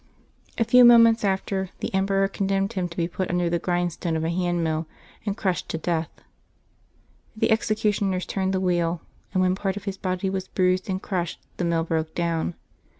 A few moments after, the emperor condemned him to be put under the grindstone of a hand mill and crushed to death. The executioners turned the wheel, and when part of his body was bruised and crushed the mill broke down.